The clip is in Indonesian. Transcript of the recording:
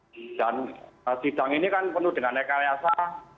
dan sidang ini kan penuh dengan nekaryasa